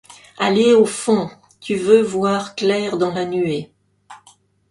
Aller au fond ! tu veux voir clair dans la nuée !